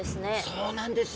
そうなんですよ。